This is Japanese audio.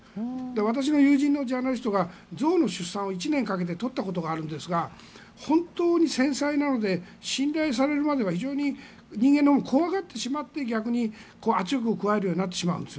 私の友人のジャーナリストが象の出産を１年かけて撮ったことがあるんですが本当に繊細なので信頼されるまでは非常に人間のほうも怖がってしまって逆に圧力を加えるようになってしまうんです。